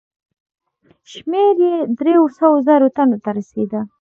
شمېر یې دریو سوو زرو تنو ته رسېدی.